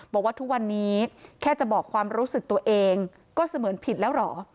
บอกว่าทุกวันนี้แค่จะบอกความรู้สึกตัวเองก็เสมือนผิดแล้วเหรอ